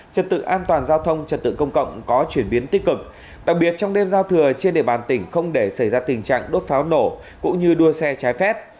trật tự an toàn giao thông trật tự công cộng có chuyển biến tích cực đặc biệt trong đêm giao thừa trên địa bàn tỉnh không để xảy ra tình trạng đốt pháo nổ cũng như đua xe trái phép